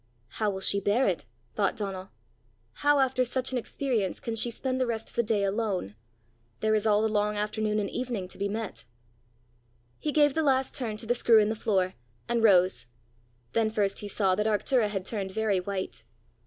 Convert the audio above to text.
"How will she bear it," thought Donal; "how after such an experience, can she spend the rest of the day alone? There is all the long afternoon and evening to be met!" He gave the last turn to the screw in the floor, and rose. Then first he saw that Arctura had turned very white.